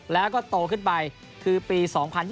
แล้วก็โตขึ้นไปคือปี๒๐๒๐